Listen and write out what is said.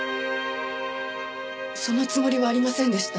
そのつもりはありませんでした。